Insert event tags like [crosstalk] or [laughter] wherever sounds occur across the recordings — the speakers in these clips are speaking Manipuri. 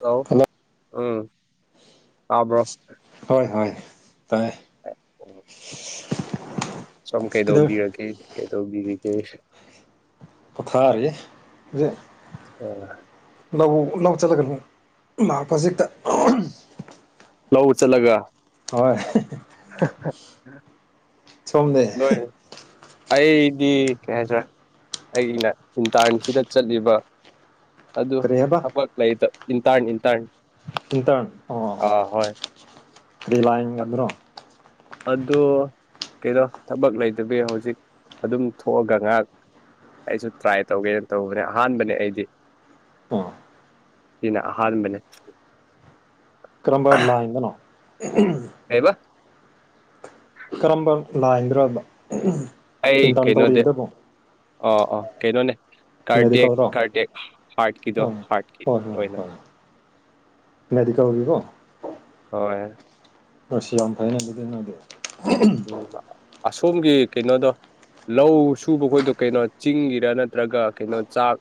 ꯍꯂꯣ ꯍꯜꯂꯣ ꯎꯝ ꯇꯥꯕ꯭ꯔꯣ ꯍꯣꯏ ꯍꯣꯏ ꯇꯥꯏ ꯇꯥꯏ ꯑ [inaudible] ꯁꯣꯝ ꯀꯩꯗꯧ ꯀꯩꯗꯧꯕꯤꯔꯒꯦ ꯀꯩꯗꯧꯕꯤꯔꯤꯒꯦ ꯄꯣꯊꯥꯔꯤ ꯑꯥ ꯂꯧ ꯂꯧ ꯆꯠꯂꯒꯅꯨ ꯃꯍꯥꯛ ꯐꯖꯤꯦꯛꯇ ꯂꯎ ꯆꯠꯂꯒ ꯍꯣꯏ ꯑ [inaudible] ꯁꯣꯝꯗꯦ ꯑꯩꯗꯤ ꯀꯩ ꯍꯥꯏꯇꯥꯔꯦ ꯑꯩꯅ ꯏꯟꯇꯥꯔꯟꯁꯤꯗ ꯆꯠꯂꯤꯕ ꯑꯗꯨ ꯀꯔꯤ ꯍꯥꯏꯕ ꯍꯥꯄꯛ ꯂꯩꯥꯏꯇ ꯏꯟꯇꯥꯥꯅ ꯏꯟꯇꯥꯥꯅ ꯏꯟꯇꯥꯥꯅ ꯑꯣ ꯂꯥꯏꯒꯗ꯭ꯔꯣ ꯑꯗꯣ ꯀꯩꯅꯣ ꯊꯕꯛ ꯂꯩꯇꯕꯤ ꯍꯧꯖꯤꯛ ꯑꯗꯨꯝ ꯊꯣꯛꯑꯒ ꯉꯥꯏꯍꯥꯛ ꯑꯩꯁꯨ ꯇ꯭ꯔꯥꯏ ꯇꯧꯒꯦꯅ ꯇꯧꯕꯅꯦ ꯑꯍꯥꯟꯕꯅꯦ ꯑꯩꯗꯤ ꯑꯣ ꯁꯤꯅꯥ ꯑꯍꯥꯟꯕ ꯅꯦ ꯀꯔꯝꯕ ꯂꯥꯏꯅꯗꯅꯣ ꯀꯩꯕ ꯀꯔꯝꯕ ꯂꯥꯏꯗ꯭ꯔꯕ ꯑꯩ ꯏꯟꯇꯟ ꯀꯩꯅꯣꯗꯤ ꯇꯧꯔꯤꯒꯗꯕꯣ ꯑꯣ ꯑꯣ ꯀꯩꯩꯅꯣꯅꯦ ꯀꯥꯔꯗꯦꯛ ꯑꯣ ꯀꯥꯔꯗꯦꯛ ꯄꯥꯔꯠꯀꯤꯗꯣ ꯍꯣꯏ ꯄꯥꯔꯠꯀꯤ ꯑꯣꯏꯅ ꯃꯦꯗꯤꯀꯥ ꯑꯣꯏꯒꯤꯀꯣ ꯍꯣꯏ ꯁꯤ ꯌꯥꯝꯝ ꯐꯥꯏ ꯅꯪꯗꯗ ꯅꯪꯗꯦ ꯎꯝ ꯑꯁꯣꯝꯒꯤ ꯀꯩꯅꯣꯗꯣ ꯂꯧ ꯁꯨꯕꯈꯣꯏꯗꯣ ꯀꯩꯅꯣ ꯆꯤꯡꯒꯤꯔꯥ ꯅꯠꯇ꯭ꯔꯒ ꯀꯩꯅꯣ ꯆꯥꯛ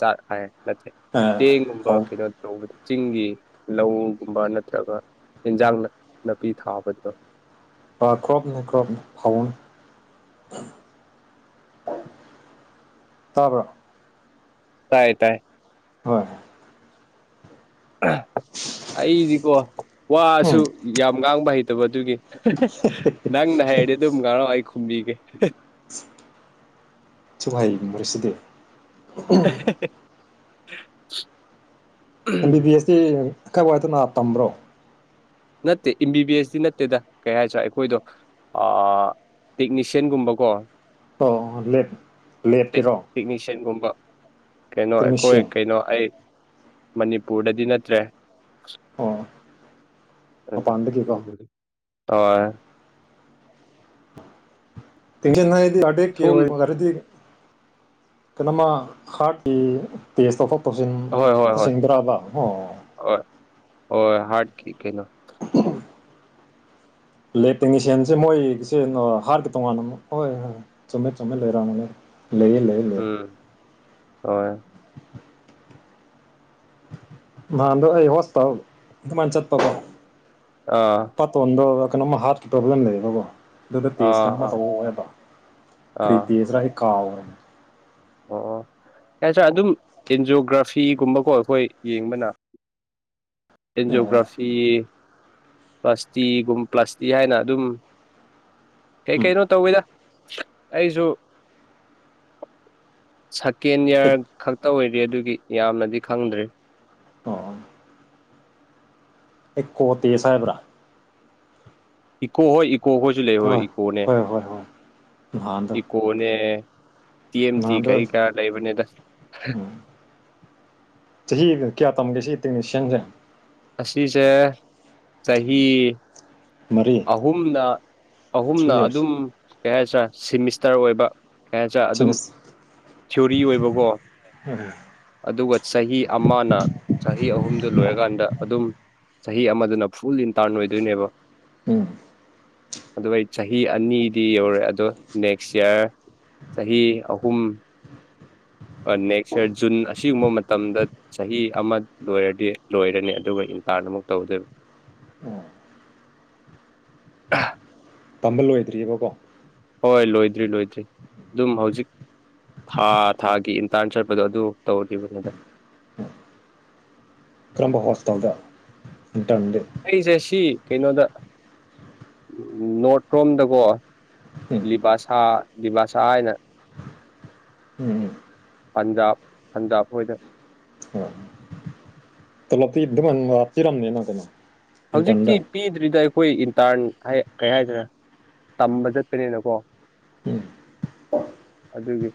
ꯆꯥꯛ ꯍꯥꯏ ꯅꯠꯇ꯭ꯔꯦ ꯑꯦ ꯆꯦꯡꯒꯨꯝꯕ ꯐꯧ ꯀꯩꯅꯣ ꯇꯧꯕꯗ ꯆꯤꯡꯒꯤ ꯂꯧꯒꯨꯝꯕ ꯅꯠꯇ꯭ꯔꯒ ꯏꯟꯖꯥꯡ ꯅꯥꯄꯤ ꯊꯥꯕꯗꯨꯗꯣ ꯀ꯭ꯔꯣꯞꯅꯦ ꯀ꯭ꯔꯣꯞ ꯐꯥꯎꯅꯤ [unintelligible] ꯇꯥꯕ꯭ꯔꯣ ꯇꯥꯏ ꯇꯥꯏ ꯍꯣꯏ ꯑꯩꯗꯤꯀꯣ ꯎꯝ ꯋꯥꯁꯨ ꯌꯥꯝ ꯉꯥꯡꯕ ꯍꯩꯇꯕ ꯑꯗꯨꯒꯤ ꯅꯪꯅ ꯍꯩꯔꯗꯤ ꯑꯗꯨꯝ ꯉꯥꯡꯉꯣ ꯑꯩ ꯈꯨꯝꯕꯤꯒꯦ ꯑꯁꯨꯛ ꯍꯩꯔꯤꯁꯤꯗꯤ [inaudible] [unintelligible] ꯑꯦꯝ ꯕꯤ ꯕꯤ ꯑꯦꯁꯇꯤ ꯀꯥꯏ ꯋꯥꯏꯗꯅ ꯇꯝꯕ꯭ꯔꯣ ꯅꯠꯇꯦ ꯑꯦꯝ ꯕꯤ ꯕꯤ ꯑꯦꯁꯇꯤ ꯅꯠꯇꯦꯗ ꯀꯩ ꯍꯨꯑꯗꯣꯏꯅꯣ ꯑꯥ ꯑꯥ ꯇꯦꯛꯅꯤꯁꯤꯌꯥꯟꯒꯨꯝꯕꯀꯣ ꯑꯣ ꯂꯦꯞꯀꯦꯔꯣ ꯇꯦꯛꯅꯤꯁꯤꯌꯥꯟꯒꯨꯝꯕ ꯀꯩꯅꯣ ꯑꯩꯈꯣꯏ ꯀꯩꯅꯣ ꯑꯩ ꯃꯅꯤꯄꯨꯔꯗꯗꯤ ꯅꯠꯇ꯭ꯔꯦ ꯑꯣ ꯃꯄꯥꯟꯗꯒꯤꯀꯣ [unintelligible] [unintelligible] ꯗꯤ ꯑꯇꯦꯛꯀꯤ ꯁꯣꯝ ꯈꯔꯗꯤ [unintelligible] ꯀꯩꯅ ꯃꯥ ꯍꯥꯁꯇꯣ ꯐ [unintelligible] ꯇꯟ ꯍꯣꯏ ꯍꯣꯏ ꯍꯣꯏ ꯇꯁꯤꯟꯕ꯭ꯔꯕ ꯑꯣ ꯀ ꯀꯩꯅꯣ ꯎ ꯏꯂꯦꯛꯇꯦꯛꯅꯤꯁꯤꯌꯥꯟꯁꯦ ꯃꯣꯏꯒꯤꯁꯦ ꯍꯥꯔꯠ ꯇꯣꯉꯥꯟ ꯑꯃ ꯍꯣꯏ ꯍꯣꯏ ꯆꯨꯝꯃꯦꯠ ꯆꯨꯝꯃꯦꯠ ꯂꯩꯔꯛꯑꯃꯅꯤ ꯂꯩ ꯂꯩ ꯂꯩ ꯎꯝ ꯍꯣꯏ ꯅꯥꯟꯗ ꯑꯩ ꯍꯣꯁ ꯇ ꯑꯗꯨꯃꯅ ꯆꯠꯄꯕ ꯑꯥ ꯄꯠꯇꯗ ꯀꯩꯅꯣꯝꯃ ꯍꯥꯔꯠꯀꯤ ꯄ꯭ꯔꯣꯕ꯭ꯂꯦꯝ ꯂꯩꯌꯦꯕꯀꯣ ꯑꯗꯨꯗ ꯑꯥ ꯇꯦꯖ ꯑꯥ ꯀꯩꯅꯣꯝꯃ ꯑꯥ ꯇꯧꯔꯛꯑꯣꯏ ꯍꯥꯏꯕ ꯀꯔꯤ ꯑꯣ ꯇꯦꯁ ꯎꯀꯥꯎꯟ ꯑꯣ ꯌꯥ ꯁꯥ ꯑꯗꯨꯝ ꯑꯦꯟꯖꯤꯣꯒ꯭ꯔꯥꯐꯤꯒꯨꯝꯕꯀꯣ ꯑꯩꯈꯣꯏ ꯌꯦꯡꯕꯅ ꯑꯦꯟꯖꯤꯣꯒ꯭ꯔꯥꯐꯤ ꯄ꯭ꯂꯥꯁꯇꯤꯒꯨꯝ ꯄ꯭ꯂꯥꯁꯇꯤ ꯍꯥꯏꯅ ꯑꯗꯨꯝ ꯀꯩ ꯎꯝ ꯀꯩꯅꯣ ꯇꯧꯋꯤꯗ ꯑꯩꯁꯨ ꯁꯀꯦꯟ ꯑꯦꯛ ꯌꯥꯌꯥꯔ ꯈꯛꯇ ꯑꯣꯏꯔꯦ ꯑꯗꯨꯒꯤ ꯌꯥꯝꯅꯗꯤ ꯈꯪꯗ꯭ꯔꯦ ꯏꯣꯠꯇꯁꯦꯕ꯭ꯔꯥ ꯏꯀꯣ ꯍꯣꯏ ꯏꯀꯣ ꯍꯣꯏꯁꯨ ꯂꯩꯍꯣꯏ ꯍꯣꯏ ꯏꯀꯣꯅꯦ ꯍꯣꯏ ꯍꯣꯏ ꯍꯣꯏ ꯅꯍꯥꯟꯗꯣ ꯏꯀꯣꯅꯦ ꯇꯤꯦꯝ ꯇ ꯅꯍꯥꯟꯗꯣ ꯀꯔꯤ ꯀ ꯂꯩꯥꯏꯕꯅꯤ ꯍ ꯎꯝ ꯀꯌꯥ ꯇꯝꯒꯦꯁꯤꯍꯤ ꯇꯁꯟꯁꯦ ꯑꯁꯤꯁꯦ ꯆꯍꯤ ꯃꯔꯤ ꯑꯍꯨꯝꯅ ꯊ꯭ꯔꯤ ꯑꯍꯨꯝꯅ ꯌꯔꯁ ꯑꯗꯨꯝ ꯀꯩ ꯍꯥꯏꯁꯤꯔꯥ ꯁꯤꯦꯃꯤꯁꯇꯔ ꯑꯣꯏꯕ ꯀ ꯑꯗꯨꯝ ꯁꯦꯃꯤꯁ ꯊꯤꯑꯣꯣꯔꯤ ꯑꯣꯏꯕꯀꯣ ꯑꯗꯨꯒ ꯆꯍꯤ ꯑꯃꯅ ꯆꯍꯤ ꯑꯍꯨꯝꯗꯨ ꯂꯣꯏꯔꯀꯥꯟꯗ ꯑꯗꯨꯝ ꯆꯍꯤ ꯑꯃꯗꯨꯅ ꯐꯨꯜ ꯏꯟꯇꯥꯔꯟ ꯑꯣꯏꯗꯣꯏꯅꯦꯕ ꯎꯝ ꯑꯗꯨꯒ ꯑꯩ ꯆꯍꯤ ꯑꯅꯤꯗꯤ ꯌꯧꯔꯦ ꯑꯗꯣ ꯅꯦꯛꯁ ꯏꯌꯥꯔ ꯆꯍꯤ ꯑꯍꯨꯝ ꯅꯦꯛꯁ ꯏꯔ ꯖꯨꯟ ꯑꯁꯤꯒꯨꯝꯕ ꯃꯇꯝꯗ ꯆꯍꯤ ꯑꯃ ꯂꯣꯏꯔꯗꯤ ꯂꯣꯏꯔꯅꯤ ꯑꯗꯨꯒ ꯇꯥꯅ ꯑꯃꯨꯛ ꯇꯧꯗꯦꯕ ꯑꯣ ꯇꯝꯕ ꯂꯣꯏꯗ꯭ꯔꯤꯑꯕꯀꯣ ꯍꯣꯏ ꯂꯣꯏꯗ꯭ꯔꯤ ꯂꯣꯏꯗ꯭ꯔꯤ ꯑꯗꯨꯝ ꯍꯧꯖꯤꯛ ꯊꯥ ꯊꯥꯒꯤ ꯏꯟꯇꯥꯟ ꯆꯠꯄꯗꯣ ꯑꯗꯨ ꯇꯧꯔꯤꯕꯅꯤꯗ ꯀꯔꯝꯕ ꯍꯣꯁꯄꯤꯇꯥꯜꯗ ꯑꯩꯁꯦ ꯁꯤ ꯀꯩꯅꯣꯗ ꯅꯣꯔꯠ ꯔꯣꯝꯗꯀꯣ ꯎꯝ ꯂꯤꯚꯥꯁꯥ ꯂꯤꯕꯥꯥꯁꯥ ꯍꯥꯏꯅ ꯎꯝ ꯎꯝ ꯑꯟꯗꯞ ꯑꯟꯗꯞ ꯑꯣꯏꯅ ꯆꯂꯣ ꯏ ꯋꯥꯔꯝꯃꯦꯅꯥ ꯀꯅ ꯍꯧꯖꯤꯛꯇꯤ ꯄꯤꯗ꯭ꯔꯤꯗ ꯑꯩꯈꯣꯏ ꯇꯔꯟ ꯀꯩ ꯍꯥꯏꯗꯅ ꯇꯝꯕ ꯆꯠꯄꯅꯤꯅꯀꯣ ꯎꯝ ꯑꯗꯨꯒꯤ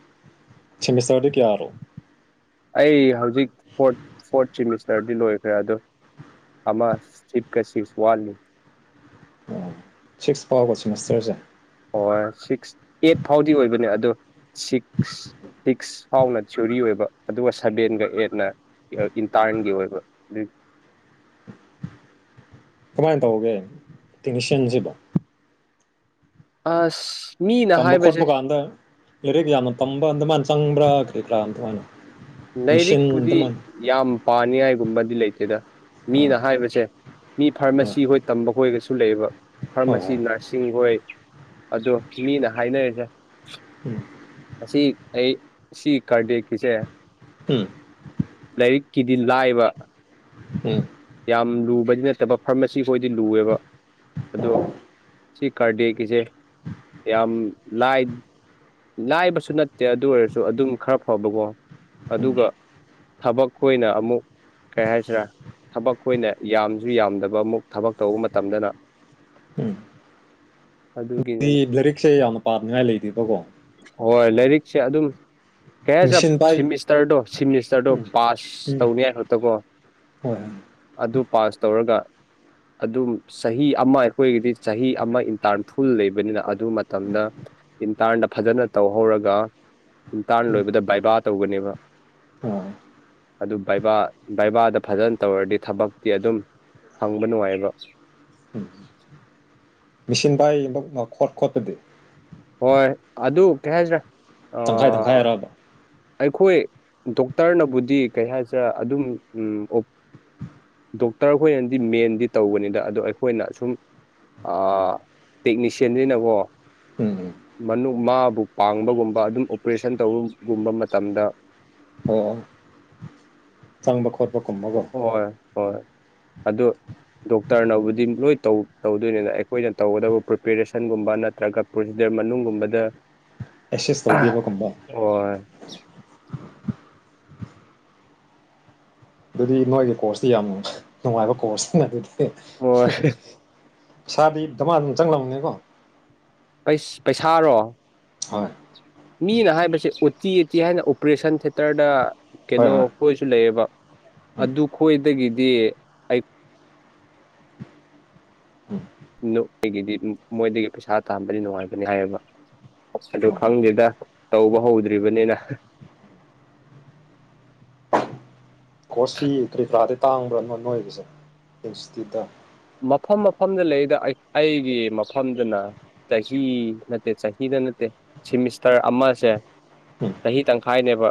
ꯆꯃꯤꯁꯔꯗ ꯀꯌꯥꯔꯣ ꯑꯩ ꯍꯧꯖꯤꯛ ꯐꯣꯔ ꯐꯣꯔꯠ ꯁꯤꯦꯃꯤꯁꯇꯔꯗꯤ ꯂꯣꯏꯈ꯭ꯔꯦ ꯑꯗ ꯑꯃ ꯆꯤꯞ ꯀꯁꯤꯞꯁ ꯋꯥꯜꯅꯤ ꯑꯣ ꯁꯤꯛꯁ ꯐꯥꯎꯕ ꯁꯤꯦꯃꯤꯁꯇꯔꯁꯦ ꯑꯦꯠ ꯐꯥꯎꯗꯤ ꯑꯣꯏꯕꯅꯦ ꯑꯗꯣ ꯁꯤꯛꯁ ꯁꯤꯛꯁ ꯐꯥꯎꯅ ꯊꯤꯌꯔꯤ ꯑꯣꯏꯕ ꯑꯗꯨꯒ ꯁꯚꯦꯟꯒ ꯑꯦꯠꯅ ꯏꯟꯇꯟꯒꯤ ꯑꯣꯏꯕ ꯑꯗꯨ ꯀꯃꯥꯏꯅ ꯇꯧꯒꯦ ꯇꯦꯛꯅꯤꯁꯤꯟꯁꯤꯕ ꯑꯁ ꯃꯤꯅ ꯇꯝꯕ ꯍꯥꯏꯕꯁꯦ ꯈꯣꯠꯄ ꯀꯥꯟꯗ ꯂꯥꯏꯔꯤꯛ ꯌꯥꯝꯅ ꯇꯝꯕ ꯑꯗꯨ ꯑꯗꯨꯃꯥꯏꯅ ꯆꯪꯕ꯭ꯔꯥ ꯀꯔꯤ ꯀꯔꯥ ꯑꯗꯨꯃꯥꯏꯅ ꯃꯦꯆꯤꯟ ꯂꯥꯏꯔꯤꯛꯄꯨꯗꯤ ꯑꯗꯨꯃꯥꯏꯅ ꯌꯥꯝ ꯄꯥꯅꯤꯡꯉꯥꯏꯒꯨꯝꯕꯗꯤ ꯂꯩꯇꯦꯗ ꯑꯣ ꯃꯤꯅ ꯍꯥꯏꯕꯁꯦ ꯃꯤ ꯐꯥꯔꯃꯥꯁꯤ ꯍꯣꯏ ꯇꯝꯕ ꯍꯣꯏꯒꯁꯨ ꯂꯩꯌꯦꯕ ꯍꯣꯏ ꯐꯥꯔꯃꯥꯁꯤ ꯍꯣꯏ ꯅꯔꯁꯤꯡ ꯍꯣꯏ ꯑꯗꯣ ꯐꯤꯅꯤꯅ ꯍꯥꯏꯅꯔꯤꯁꯦ ꯎꯝ ꯑꯁꯤ ꯑꯩ ꯁꯤ ꯀꯔꯗꯦ ꯀꯁꯦ ꯂꯥꯏꯔꯤꯛꯀꯤꯗꯤ ꯂꯥꯏꯕ ꯎꯝ ꯌꯥꯝ ꯂꯨꯕꯗꯤ ꯅꯠꯇꯕ ꯐꯥꯔꯃꯥꯁꯤ ꯑꯩꯈꯣꯏꯗꯤ ꯂꯨꯑꯦꯕ ꯎꯝ ꯑꯗꯣ ꯑꯣ ꯁꯤ ꯀꯥꯔꯗꯦꯒꯤꯁꯦ ꯌꯥꯝ ꯂꯥꯏ ꯂꯥꯏꯕꯁꯨ ꯅꯠꯇꯦ ꯑꯗꯨ ꯑꯣꯏꯔꯁꯨ ꯑꯗꯨꯝ ꯈꯔ ꯐꯕꯀꯣ ꯎꯝ ꯑꯗꯨꯒ ꯊꯕꯛ ꯑꯣꯏꯅ ꯑꯃꯨꯛ ꯀꯩ ꯍꯥꯏꯁꯤꯔꯥ ꯊꯕꯛ ꯑꯩꯈꯣꯏꯅ ꯌꯥꯝꯁꯨ ꯌꯥꯝꯗꯕ ꯑꯃꯨꯛ ꯊꯕꯛ ꯇꯧꯕ ꯃꯇꯝꯗꯅ ꯎꯝ ꯑꯗꯨꯒꯤꯅꯦꯗ ꯂꯥꯏꯔꯤꯛꯁꯦ ꯌꯥꯝꯅ ꯄꯥꯝꯅꯤꯡꯉꯥꯏ ꯂꯩꯇꯕꯀꯣ ꯍꯣꯏ ꯂꯥꯏꯔꯤꯛꯁꯦ ꯑꯗꯨꯝ ꯀꯌꯥ ꯆ ꯃꯦꯆꯤꯟ ꯄꯥꯏ ꯁꯤꯃꯤꯁꯇꯔꯗꯣ ꯁꯤꯃꯤꯁꯇꯔꯗꯣ ꯎꯝ ꯄꯥꯁ ꯎꯝ ꯇꯧꯅꯤ ꯍꯥꯏ ꯈꯛꯇꯀꯣ ꯍꯣꯏ ꯍꯣꯏ ꯑꯗꯨ ꯄꯥꯁ ꯇꯧꯔꯒ ꯑꯗꯨꯝ ꯆꯍꯤ ꯑꯃ ꯑꯩꯈꯣꯏꯒꯤꯗꯤ ꯆꯍꯤ ꯑꯃ ꯏꯟꯇꯥꯔꯟ ꯐꯨꯜ ꯂꯩꯕꯅꯤꯅ ꯑꯗꯨ ꯃꯇꯝꯗ ꯏ ꯊꯥꯗꯄ ꯐꯖꯅ ꯇꯧꯍꯧꯔꯒ ꯏꯟꯇꯥꯟ ꯎꯝ ꯂꯣꯏꯕꯗ ꯕꯥꯏꯕꯥ ꯇꯧꯒꯅꯦꯕ ꯑꯣ ꯎꯝ ꯑꯗꯨ ꯕꯩꯕꯥꯗ ꯐꯖꯅ ꯇꯧꯔꯗꯤ ꯊꯕꯛꯇꯤ ꯑꯗꯨꯝ ꯐꯪꯕ ꯅꯨꯡꯉꯥꯏꯕ ꯃꯦꯆꯤꯟ ꯏ ꯈꯣꯠ ꯈꯣꯠꯇꯗꯤ ꯍꯣꯏ ꯑꯗꯨ ꯀꯩ ꯍꯥꯏꯁꯤ꯭ꯔꯥ ꯇꯪꯈꯥꯏ ꯇꯪꯈꯥꯏ ꯍꯥꯏꯔꯥꯎꯕ ꯑꯩꯈꯣꯏ ꯗꯣꯛꯇꯔꯅꯕꯨꯗꯤ ꯀꯩ ꯍꯥꯏꯁꯦ ꯑꯗꯨꯝ ꯗꯣꯛꯇꯔ ꯑꯩꯈꯣꯏꯅꯗꯤ ꯃꯦꯟꯗꯤ ꯇꯧꯕꯅꯤꯗ ꯑꯗꯣ ꯑꯩꯈꯣꯏꯅ ꯑ ꯁꯨꯝ ꯇꯦꯛꯅꯤꯁꯤꯌꯥꯟꯁꯤꯅꯀꯣ ꯎꯝ ꯎꯝ ꯃꯥꯕꯨ ꯄꯥꯡꯕꯒꯨꯝꯕ ꯑꯗꯨꯝ ꯑꯣꯄꯔꯦꯁꯟ ꯇꯧꯕꯒꯨꯝꯕ ꯇꯝꯗ ꯑꯣ ꯆꯪꯕ ꯈꯣꯠꯄ ꯀꯨꯝꯕꯒꯣ ꯍꯣꯏꯣꯏ ꯑꯗꯨꯣ ꯗꯣꯛꯇꯔꯅꯕꯨꯗꯤ ꯂꯣꯏ ꯇꯧꯗꯣꯏꯅꯤꯅ ꯑꯩꯈꯣꯏꯅ ꯇꯧꯒꯗꯕ ꯄ꯭ꯔꯤꯄꯦꯔꯦꯁꯟꯒꯨꯝꯕ ꯅꯠꯇ꯭ꯔꯒ ꯄ꯭ꯔꯣꯁꯤꯗ ꯃꯅꯨꯡꯒꯨꯝꯕꯗ ꯑꯦꯁꯦꯁ ꯇꯧꯕꯤꯕꯒꯨꯝꯕꯣ [unintelligible] ꯑꯗꯨꯗꯤ ꯅꯣꯏꯒꯤ ꯀꯣꯔꯁꯇꯤ ꯌꯥꯝ ꯅꯨꯡꯉꯥꯏꯕ ꯀꯣꯔꯁꯅꯤꯅ ꯑꯗꯨꯗꯤ ꯍꯣꯏ ꯄꯩꯁꯥꯗꯤ ꯃꯥ ꯑꯗꯨꯝ ꯆꯪꯂꯝꯕꯅꯦꯀꯣ ꯄꯩꯁꯥꯔꯣ ꯍꯣꯏ ꯃꯤꯅ ꯍꯥꯏꯕꯁꯦ ꯎꯇꯤ ꯎꯇꯤ ꯍꯥꯏꯅ ꯑꯣꯄꯔꯦꯁꯟ ꯊꯦꯇꯔꯗ ꯍꯣꯏ ꯀꯩꯅꯣ ꯍꯣꯏ ꯀꯣꯏ ꯂꯩꯕ ꯎꯝ ꯑꯗꯨ ꯈꯣꯏꯗꯒꯤꯗꯤ ꯎꯝ ꯅꯣꯏꯒꯤꯗꯤ ꯃꯣꯏꯗꯒꯤ ꯄꯩꯁꯥ ꯇꯥꯝꯕꯗꯤ ꯅꯨꯡꯉꯥꯏꯕꯅꯤ ꯍꯥꯏꯌꯦꯕ ꯑ ꯑꯗꯨ ꯎꯝ ꯈꯪꯗꯦꯗ ꯇꯧꯕ ꯍꯧꯗ꯭ꯔꯤꯕꯅꯤꯅ [unintelligible] ꯀꯣꯔꯣꯁꯁꯤ ꯀꯔꯤ ꯀꯔꯥꯗꯤ ꯇꯥꯡꯕ꯭ꯔꯅꯣ ꯅꯣꯏꯒꯤꯁꯦ ꯏꯟꯁꯇꯤꯇ꯭ꯌꯨꯠꯇ ꯃꯐꯝ ꯃꯐꯝꯗ ꯂꯩꯔꯤꯗ ꯑꯩꯒꯤ ꯃꯐꯝꯗꯨꯅ ꯆꯍꯤ ꯅꯠꯇꯦ ꯆꯍꯤꯗ ꯅꯠꯇꯦ ꯁꯤꯃꯤꯁꯇꯔ ꯑꯃꯁꯦ ꯎꯝ ꯆꯍꯤ ꯇꯪꯈꯥꯏꯅꯦꯕ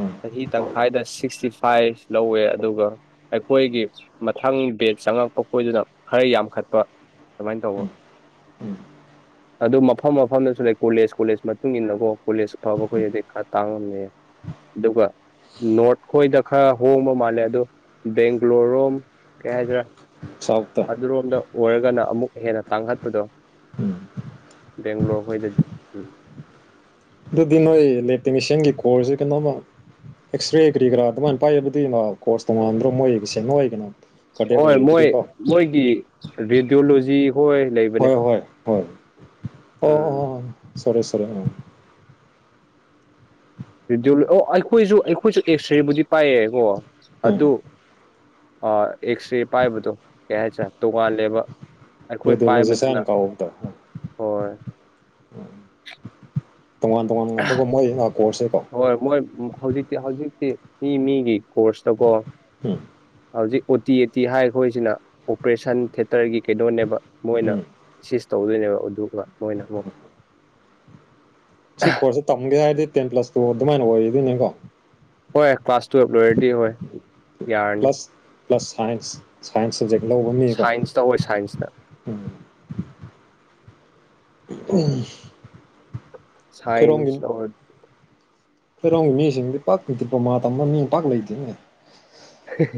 ꯎꯝ ꯆꯍꯤ ꯇꯪꯈꯥꯏꯗ ꯁꯤꯛꯁꯇꯤ ꯐꯥꯏꯚ ꯂꯧꯋꯦ ꯑꯗꯨꯒ ꯑꯩꯈꯣꯏꯒꯤ ꯃꯊꯪ ꯕꯦꯗ ꯆꯪꯉꯛꯄ ꯀꯗꯨꯅ ꯈꯔ ꯌꯥꯝꯈꯠꯄ ꯑꯗꯨꯃꯥꯏꯅ ꯇꯧꯕ ꯎ ꯑꯗꯨ ꯃꯐꯝ ꯃꯐꯝꯗꯁꯨ ꯂꯩ ꯀꯣꯂꯦꯖ ꯀꯣꯂꯦꯖ ꯃꯇꯨꯡ ꯏꯟꯅꯀꯣ ꯀꯣꯂꯦꯖ ꯐꯕ ꯑꯩꯈꯣꯏꯗꯗꯤ ꯈꯔ ꯇꯥꯡꯉꯝꯃꯦꯌꯦ ꯑꯗꯨꯒꯗꯨ ꯅꯣꯔꯠ ꯈꯣꯏꯗ ꯈꯔ ꯍꯣꯡꯕ ꯃꯥꯜꯂꯦ ꯑꯗꯨ ꯕꯦꯡꯒ꯭ꯂꯣꯔꯣꯝ ꯀꯩ ꯍꯥꯏꯗ꯭ꯔꯥ ꯁꯥꯎꯠꯇ ꯑꯗꯨꯔꯣꯝꯗ ꯑꯣꯏꯔꯒꯅ ꯑꯃꯨꯛ ꯍꯦꯟꯅ ꯇꯥꯡꯈꯠꯄꯗꯣ ꯎꯝ ꯕꯦꯡꯒ꯭ꯂꯣꯔ ꯍꯗꯗꯤ ꯎꯝ ꯑꯗꯨꯗꯤ ꯅꯣꯏ ꯏꯂꯦꯛꯇꯤꯅꯤꯁꯤꯌꯥꯟꯒꯤ ꯀꯣꯔꯁꯁꯦ ꯀꯩꯅꯣꯝꯃ ꯑꯦꯛꯁꯔꯦ ꯀꯔꯤ ꯀꯔꯥ ꯑꯗꯨꯃꯥꯏꯅ ꯄꯥꯏꯕꯗꯨꯃꯣ ꯀꯣꯔꯁ ꯇꯣꯡꯉꯥꯟꯗ꯭ꯔꯣ ꯃꯣꯏꯒꯤꯁꯦ ꯃꯣꯏꯒꯤꯅꯣ ꯍꯣꯏ ꯃꯣꯏ ꯃꯣꯏꯒꯤ ꯔꯦꯗꯤꯌꯑꯣꯂꯣꯖꯤ ꯍꯣꯏ ꯍꯣꯏ ꯂꯩꯕꯅꯦ ꯍꯣꯏ ꯍꯣꯏ ꯎꯝ ꯁꯦ ꯁꯦ ꯑ ꯔꯗꯤꯜ ꯑꯣ ꯑꯩꯈꯣꯏꯁꯨ ꯑꯩꯈꯣꯏꯁꯨ ꯑꯦꯛꯁ ꯔꯦꯕꯨꯗꯤ ꯄꯥꯏꯌꯦꯀꯣ ꯎꯝ ꯑꯗꯨ ꯑ ꯑꯦꯛꯁ ꯔꯦ ꯄꯥꯏꯕꯗꯣ ꯀꯩ ꯍꯥꯏꯁꯦ ꯇꯣꯉꯜꯂꯦꯕ ꯑꯩꯈꯣꯏ ꯔꯦꯗꯤꯑꯣꯂꯣꯖꯤꯁ ꯄꯥꯏꯕꯗꯅ ꯍꯥꯏꯅ ꯀꯧꯕꯗꯣ ꯍꯣꯏ ꯇꯣꯉꯥꯟ ꯇꯣꯉꯥꯟꯕ ꯑꯗꯨꯒ ꯃꯣꯏ ꯀꯣꯔꯁꯁꯦꯀꯣ ꯍꯣꯏ ꯃꯣꯏ ꯍꯧꯖꯤꯛꯇꯤ ꯍꯧꯖꯤꯛꯇꯤ ꯃꯤ ꯃꯤꯒꯤ ꯀꯣꯔꯁꯇꯀꯣ ꯎꯝ ꯍꯧꯖꯤꯛ ꯑꯣ ꯇꯤ ꯑꯦ ꯇꯤ ꯍꯥꯏ ꯑꯩꯈꯣꯏꯁꯤꯅ ꯑꯣꯄꯔꯦꯁꯟ ꯊꯦꯇꯔꯒꯤ ꯀꯩꯗꯣꯅꯦꯕ ꯃꯣꯏꯅ ꯎꯝ ꯁꯤꯁ ꯇꯧꯗꯣꯏꯅꯦꯕ ꯑꯗꯨꯒ ꯃꯣꯏꯅ ꯑꯃꯨꯛ ꯁꯤ ꯀꯣꯔꯁꯁꯦ ꯇꯝꯒꯦ ꯍꯥꯏꯔꯗꯤ ꯇꯦꯟ ꯄ꯭ꯂꯁ ꯇꯨ ꯑꯗꯨꯃꯥꯏꯅ ꯑꯣꯏꯗꯣꯏꯅꯦꯀꯣ ꯍꯣꯏ ꯀ꯭ꯂꯥꯁ ꯇꯨꯋꯞ ꯂꯣꯏꯔꯦꯗꯤ ꯍꯣꯏ ꯌꯥꯔꯅꯤ plus plus science science subject ꯂꯧꯕ ꯃꯤꯀꯣ ꯁꯥꯏꯟꯁꯇ ꯍꯣꯏ ꯁꯥꯏꯟꯁꯇ ꯎꯝ ꯁꯥꯏꯟꯁ ꯂꯔ ꯊꯣꯏꯔꯣꯡꯒꯤ ꯃꯤꯁꯤꯡꯗꯤ ꯄꯥꯛꯇ꯭ꯔꯤꯄꯃꯥ ꯇꯝꯕ ꯃꯤ ꯄꯥꯛ ꯂꯩꯇꯦꯅꯦ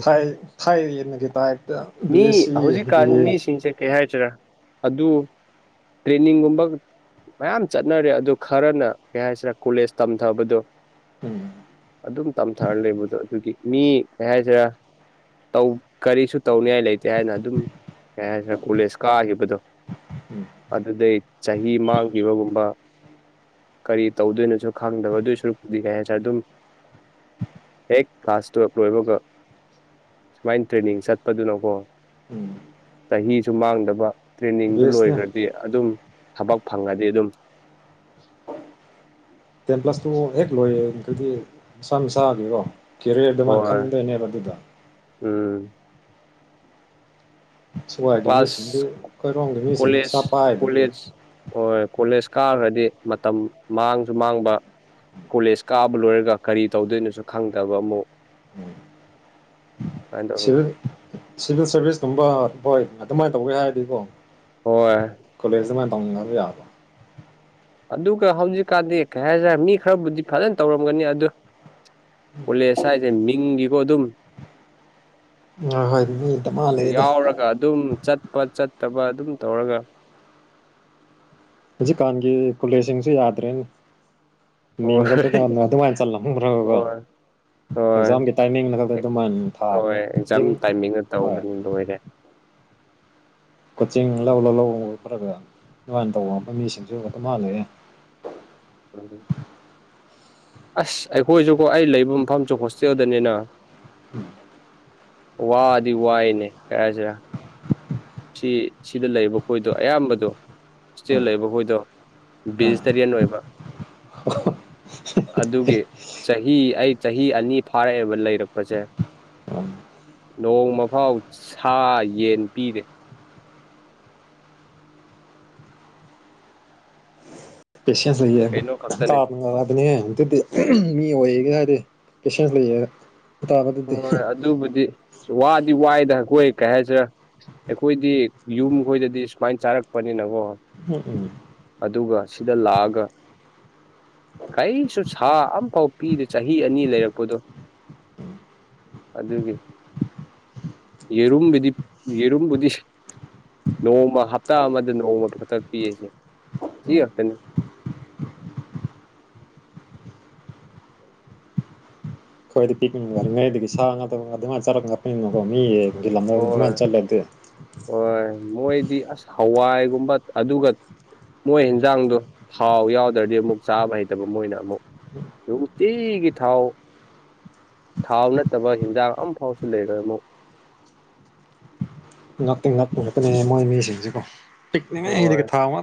ꯊꯥꯏ ꯊꯥꯏꯅꯒꯤ ꯇꯥꯏ ꯃꯤ ꯍꯧꯖꯤꯛꯀꯥꯟ ꯃꯤꯁꯤꯡꯁꯦ ꯀꯩ ꯍꯥꯏꯗꯔꯥ ꯑꯗꯨ ꯇ꯭ꯔꯦꯅꯤꯡꯒꯨꯝꯕ ꯃꯌꯥꯝ ꯆꯠꯅꯔꯦ ꯑꯗꯨ ꯈꯔꯅ ꯀꯩ ꯍꯥꯏꯁꯤꯔꯥ ꯀꯣꯂꯦꯖ ꯇꯝꯊꯕꯗꯣ ꯎꯝ ꯑꯗꯨꯝ ꯇꯝꯊꯥꯔ ꯂꯩꯕꯗꯣ ꯑꯗꯨꯒꯤ ꯃꯤ ꯀꯩ ꯍꯥꯏꯁꯤꯔꯥ ꯇꯧ ꯀꯔꯤꯁꯨ ꯇꯧꯅꯤꯉꯥꯏ ꯂꯩꯇꯦ ꯍꯥꯏꯅ ꯑꯗꯨꯝ ꯀꯩ ꯍꯥꯏꯗ꯭ꯔꯦ ꯀꯣꯂꯦꯖ ꯀꯥꯈꯤꯕꯗꯣ ꯎꯝ ꯑꯗꯨꯗꯩ ꯆꯍꯤ ꯃꯥꯡꯈꯤꯕꯒꯨꯝꯕ ꯀꯔꯤ ꯇꯧꯗꯣꯏꯅꯣꯁꯨ ꯈꯪꯗꯕ ꯑꯗꯨ ꯁꯔꯨꯗꯤꯒꯦ ꯍꯥꯏꯁꯔꯦ ꯑꯗꯨꯝ ꯍꯦꯛ ꯀ꯭ꯂꯥꯁ ꯇꯨꯌꯦꯜꯞ ꯂꯣꯏꯕꯒ ꯁꯨꯃꯥꯏꯅ ꯇ꯭ꯔꯦꯅꯤꯡ ꯆꯠ ꯆꯗꯨꯅꯀꯣ ꯎꯝ ꯆꯍꯤꯁꯨ ꯃꯥꯡꯗꯕ ꯕꯤ ꯇ꯭ꯔꯦꯟꯅꯤꯡꯗꯨ ꯑꯦꯁꯅꯦ ꯂꯣꯏꯈ꯭ꯔꯗꯤ ꯑꯗꯨꯝ ꯊꯕꯛ ꯐꯪꯉꯗꯤ ꯑꯗꯨꯝ ꯇꯦꯟ ꯄ꯭ꯂꯁꯇꯨ ꯍꯦꯛ ꯂꯣꯏꯌꯦꯦ ꯑꯗꯨꯈꯗꯤ ꯁꯁ꯭ꯋꯥꯏ ꯃꯁꯥꯑꯒꯀꯣ ꯀꯦꯔꯤꯌꯔꯗꯨꯃꯥꯟ ꯍꯣꯏ ꯈꯟꯗꯣꯏꯅꯦꯕ ꯑꯗꯨꯗ ꯎꯝ ꯁꯋꯥꯏꯒꯤ ꯃꯤꯁꯤꯡꯗꯤ ꯀ꯭ꯂꯥꯁ ꯑꯩꯈꯣꯏꯔꯣꯝꯒꯤ ꯃꯤꯁꯤꯡꯗꯤ ꯀꯣꯂꯦꯖ ꯄꯩꯁꯥ ꯀ ꯄꯥꯏꯗꯕꯒꯤꯔ ꯀꯣꯂꯦꯖ ꯍ ꯀꯣꯂꯦꯖ ꯀꯥꯈ꯭ꯔꯗꯤ ꯃꯇꯝ ꯃꯥꯡꯁꯨ ꯃꯥꯡꯕ ꯀꯣꯂꯦꯖ ꯀꯥꯕ ꯂꯣꯏꯔꯒ ꯀꯔꯤ ꯇꯧꯗꯣꯏꯅꯣꯁꯨ ꯈꯪꯗꯕ ꯑꯃꯨꯛ [inaudible] ꯁꯨꯃꯥꯏꯅ ꯇꯧꯔꯒ ꯁꯤꯚꯤꯜ ꯁꯤꯚꯤꯜ ꯁꯥꯔꯚꯤꯁꯀꯨꯝꯕ ꯍꯣꯏ ꯑꯗꯨꯃꯥꯏꯅ ꯇꯧꯒꯦ ꯍꯥꯏꯔꯗꯤꯀꯣ ꯍꯣꯏ ꯀꯣꯂꯦꯖ ꯃ ꯇꯎꯒ ꯌꯥꯒ ꯑꯗꯨꯒ ꯍꯧꯖꯤꯛꯀꯥꯟꯗꯤ ꯀꯩ ꯍꯥꯏꯇꯥꯔꯦ ꯃꯤ ꯈꯔꯕꯨꯗꯤ ꯐꯖꯅ ꯇꯧꯔꯝꯒꯅꯤ ꯑꯗꯨ ꯄꯨꯂꯦꯁꯥꯏꯁꯦ ꯃꯤꯡꯒꯤꯀꯣ ꯑꯗꯨꯝ ꯍꯣꯏ ꯃꯤ ꯗꯃꯥ ꯂꯩꯗ ꯌꯥꯎꯔꯒ ꯑꯗꯨꯝ ꯆꯠꯄ ꯆꯠꯇꯕ ꯑꯗꯨꯝ ꯇꯧꯔꯒ ꯍꯧꯖꯤꯛꯀꯥꯟꯒꯤ ꯀꯨꯂꯦꯁꯤꯡꯁꯨ ꯌꯥꯗ꯭ꯔꯦꯅꯦ ꯍꯣꯏ ꯃꯤꯡꯒꯣ ꯀꯩꯗ ꯑꯗꯨꯃꯥꯏꯅ ꯆꯜꯂꯝꯈ꯭ꯔꯒꯒꯣ ꯍꯣꯏ ꯍꯣꯏ ꯑꯦꯛꯖꯥꯝꯒꯤ ꯇꯥꯏꯃꯤꯡꯅ ꯈꯛꯇ ꯑꯗꯨꯃꯟ ꯍꯣꯏ ꯊꯥꯕ ꯑꯦꯛꯖꯥꯝ ꯇꯥꯏꯃꯤꯡꯗ ꯍꯣꯏ ꯇꯧꯈ꯭ꯔꯅꯤ ꯂꯣꯏꯔꯦ ꯀꯣꯆꯤꯡ ꯂꯧ ꯂꯧ ꯂꯧ ꯈꯔ ꯑꯗꯨꯃꯥꯏꯅ ꯇꯧꯕ ꯃꯤꯁꯤꯡꯁꯨ ꯑꯗꯨꯝ ꯃꯥꯜꯂꯑꯦ ꯎ ꯎ ꯑꯁ ꯑꯩꯈꯣꯏꯁꯨꯀꯣ ꯑꯩ ꯂꯩꯕ ꯃꯐꯝꯁꯨ ꯍꯣꯁꯇꯦꯜꯗꯅꯤꯅ ꯎꯝ ꯋꯥꯗꯤ ꯋꯥꯏꯅꯦ ꯀꯥꯏꯁꯤꯔ ꯁꯤ ꯁꯤꯗ ꯂꯩꯕ ꯈꯣꯏꯗꯣ ꯑꯌꯥꯝꯕꯗꯣ ꯍꯣꯁꯇꯦꯜ ꯎꯝ ꯂꯩꯕꯈꯣꯏꯗꯣ ꯚꯦꯖꯤꯇꯔꯤꯌꯟ ꯑꯣꯏꯕ [inaudible] ꯑꯗꯨꯒꯤ ꯆꯍꯤ ꯑꯩ ꯆꯍꯤ ꯑꯅꯤ ꯐꯥꯔꯛꯑꯦꯕ ꯂꯩꯔꯛꯄꯁꯦ ꯎꯝ ꯅꯣꯡꯃꯐꯥꯎ ꯁꯥ ꯌꯦꯟ ꯄꯤꯔꯦ ꯄꯦꯁꯦꯟꯁ ꯂꯩ ꯀꯩꯅꯣ ꯈꯛꯇꯅꯦ ꯊꯥꯞ ꯃꯒꯔꯗꯅꯦ ꯃꯤ ꯑꯣꯏꯌꯦꯒꯦ ꯍꯥꯏꯗꯤ ꯄꯦꯁꯦꯟꯁ ꯂꯩꯌꯦ ꯇꯥꯕꯗꯨꯗꯤ ꯍꯣꯏꯣꯏ ꯑꯗꯨꯕꯨꯗꯤ ꯋꯥꯗꯤ ꯋꯥꯏꯗꯈꯣꯏ ꯀꯩ ꯍꯥꯏꯁꯤꯔꯥ ꯑꯩꯈꯣꯏꯗꯤ ꯌꯨꯝ ꯈꯣꯏꯗꯗꯤ ꯁꯨꯃꯥꯏꯅ ꯆꯥꯔꯛꯄꯅꯤꯅꯀꯣ ꯎꯝ ꯎꯝ ꯑꯗꯨꯒ ꯁꯤꯗ ꯂꯥꯛꯑꯒ ꯀꯔꯤꯁꯨ ꯁꯥ ꯑꯝꯐꯥꯎ ꯄꯤꯗꯦ ꯆꯍꯤ ꯑꯅꯤ ꯂꯩꯔꯛꯄꯗꯣ ꯑꯗꯨꯒꯤ ꯌꯦꯔꯨꯝꯕꯗꯤ ꯌꯦꯔꯨꯝꯕꯗꯤ ꯅꯣꯡꯃ ꯍꯞꯇꯥ ꯑꯃꯗ ꯅꯣꯡꯃꯗ ꯈꯛꯇ ꯄꯤꯁꯦ ꯁꯤ ꯍꯥꯞꯇꯅꯤ [inaudible] ꯀꯈꯣꯏꯗꯤ ꯄꯤꯅꯤ ꯁꯥ ꯆꯣ ꯃꯤ ꯂꯝ ꯍꯣꯏ ꯃꯅ ꯆꯠꯂꯦ ꯑꯗꯨ ꯍꯣꯏ ꯃꯣꯏꯗꯤ ꯑꯁ ꯍꯋꯥꯏꯒꯨꯝꯕ ꯑꯗꯨꯒ ꯃꯣꯏ ꯍꯟꯖꯥꯡꯗꯣ ꯊꯥꯎ ꯌꯥꯎꯗ꯭ꯔꯗꯤ ꯑꯃꯨꯛ ꯆꯥꯕ ꯍꯩꯇꯕ ꯃꯣꯏꯅ ꯑꯃꯨꯛ ꯎꯇꯩꯒꯤ ꯊꯥꯎꯑꯣ ꯊꯥꯎ ꯅꯠꯇꯕ ꯍꯤꯟꯖꯥꯡ ꯑꯃꯐꯥꯎꯁꯨ ꯂꯩꯈꯦ ꯑꯃꯨꯛ ꯉꯥꯛꯇꯦ ꯉꯥꯛꯦ ꯉꯥꯛꯇꯅꯦ ꯃꯣꯏ ꯃꯤꯁꯤꯡꯁꯤꯀꯣ ꯄꯤ ꯍꯣꯏ ꯊꯥꯎ